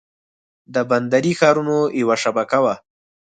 د بندري ښارونو یوه شبکه وه.